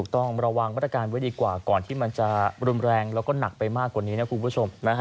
ต้องระวังมาตรการไว้ดีกว่าก่อนที่มันจะรุนแรงแล้วก็หนักไปมากกว่านี้นะคุณผู้ชม